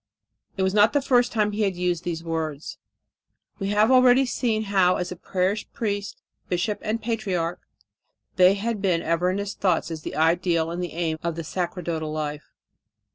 It was not the first time he had used these words. We have already seen how as parish priest, bishop and patriarch they had been ever in his thoughts as the ideal and the aim of the sacerdotal life.